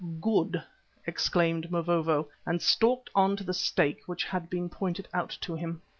"Good," exclaimed Mavovo, and stalked on to the stake which had been pointed out to him.